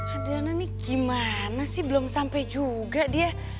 adriana ini gimana sih belum sampai juga dia